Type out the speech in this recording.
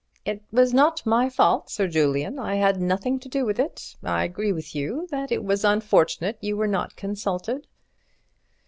The Coroner: It was not my fault, Sir Julian; I had nothing to do with it; I agree with you that it was unfortunate you were not consulted.